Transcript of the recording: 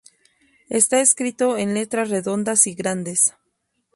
Está escrito en letras redondas y grandes.